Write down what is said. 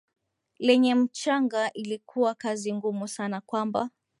lenye mchanga ilikuwa kazi ngumu sana kwamba